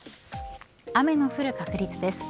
雨の降る確率です。